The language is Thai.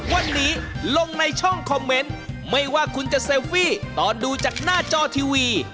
วันนี้ลงในช่องคอมเมนต์ไม่ว่าคุณจะเซลฟี่ตอนดูจากหน้าจอทีวี